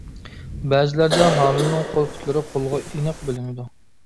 بەزىلەردە ھامىلىنىڭ قول-پۇتلىرى قولغا ئېنىق بىلىنىدۇ.